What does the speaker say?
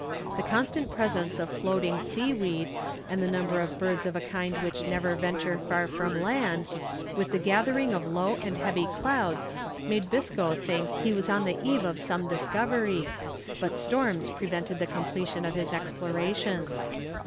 The constant presence of floating sea weed, and the number of birds of a kind which never venture far from land, with the gathering of low and heavy clouds made Biscoe think he was on the eve of some discovery, but storms prevented the completion of his explorations.